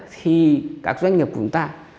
thì các doanh nghiệp của chúng ta